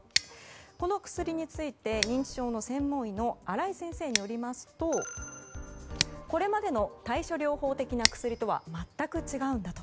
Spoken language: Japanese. この薬について認知症の専門医の新井先生によりますとこれまでの対処療法的な薬とは全く違うんだと。